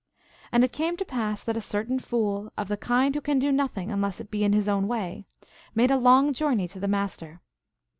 And it came to pass that a certain fool, of the kind who can do nothing unless it be in his own way, made a long journey to the Master.